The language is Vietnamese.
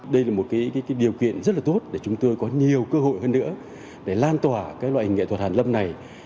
đây là một điều kiện rất là tốt để chúng tôi có nhiều cơ hội hơn nữa để lan tỏa cái loại nghệ thuật hàn lâm này